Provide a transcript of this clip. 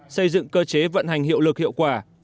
xây dựng cơ chế vận hành hiệu lực hiệu quả